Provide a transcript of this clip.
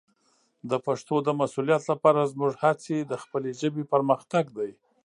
د پښتو د مسوولیت لپاره زموږ هڅې د خپلې ژبې پرمختګ دی.